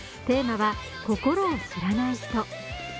テーマは「心を知らない人」。